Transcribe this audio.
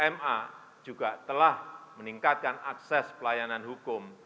ma juga telah meningkatkan akses pelayanan hukum